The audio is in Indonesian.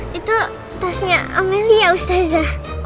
eh itu tasnya amelia ustazah